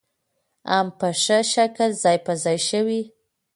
هم په ښه شکل ځاى په ځاى شوې .